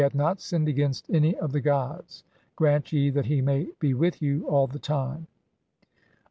He hath not sinned against any of the "gods. Grant ye that he may be with you for all time."